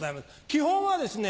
基本はですね